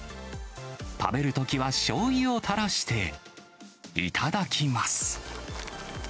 食べるときは、しょうゆをたらして頂きます。